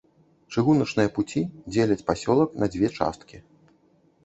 Чыгуначныя пуці дзеляць пасёлак на дзве часткі.